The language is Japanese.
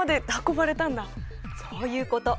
そういうこと。